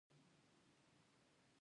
اندړ ډېر مېنه ناک او خواږه خلک دي